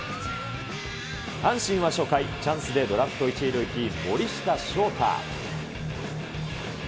阪神は初回、チャンスでドラフト１位ルーキー、森下翔太。